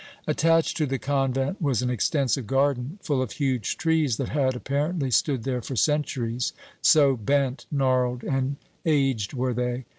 Attached to the convent was an extensive garden, full of huge trees that had, apparently, stood there for centuries, so bent, gnarled and aged were they.